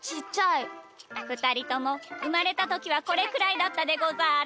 ふたりともうまれたときはこれくらいだったでござる。